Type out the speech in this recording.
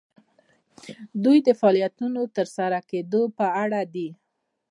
دوی د فعالیتونو د ترسره کیدو په اړه دي.